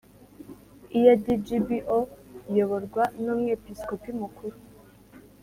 Ear d gbo iyoborwa n umwepiskopi mukuru